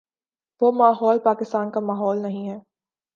وہ ماحول پاکستان کا ماحول نہیں ہے۔